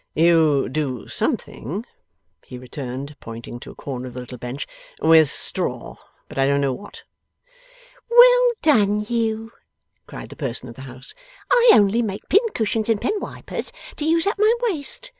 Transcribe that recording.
'You do something,' he returned, pointing to a corner of the little bench, 'with straw; but I don't know what.' 'Well done you!' cried the person of the house. 'I only make pincushions and pen wipers, to use up my waste.